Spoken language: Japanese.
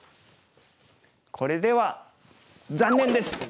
これでは残念ですか。